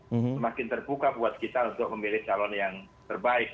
semakin terbuka buat kita untuk memilih calon yang terbaik